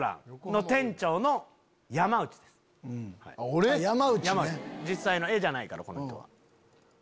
俺⁉実際の絵じゃないからこの人は。